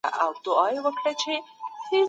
حکومت وایي چي تاسو د آزاد ژوند لپاره پیدا سوي یاست.